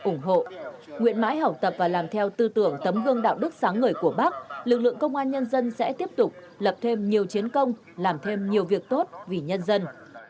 ủng hộ nguyện mãi học tập và làm theo tư tưởng tấm gương đạo đức sáng ngời của bác lực lượng công an nhân dân sẽ tiếp tục lập thêm nhiều chiến công làm thêm nhiều việc tốt vì nhân dân